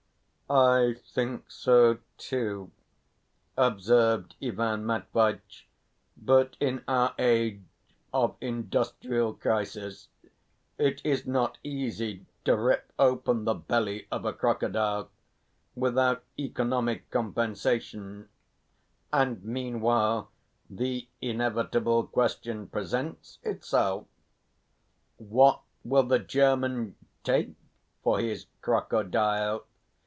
"I think so too," observed Ivan Matveitch; "but in our age of industrial crisis it is not easy to rip open the belly of a crocodile without economic compensation, and meanwhile the inevitable question presents itself: What will the German take for his crocodile?